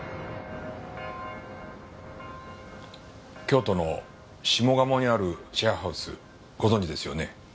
京都の下鴨にあるシェアハウスご存じですよね？